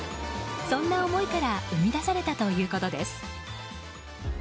そんな思いから生み出されたということです。